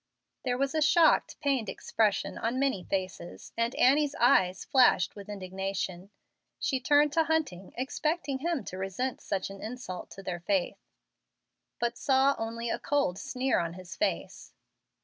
There was a shocked, pained expression on many faces, and Annie's eyes flashed with indignation. She turned to Hunting, expecting him to resent such an insult to their faith, but saw only a cold sneer on his face.